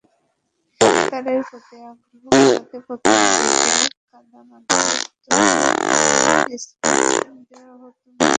সাঁতারের প্রতি আগ্রহ বাড়াতে প্রথম দিকে কাদা-মাটির তৈরি ক্রেস্ট দেওয়া হতো মেয়েদের।